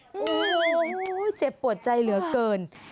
โอ้โหเจ็บปวดใจเหลือเกิน